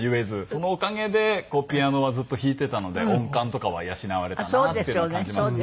そのおかげでピアノはずっと弾いていたので音感とかは養われたなって感じますね。